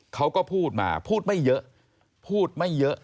เขาก็พูดมาพูดไม่เยอะพูดไม่เยอะ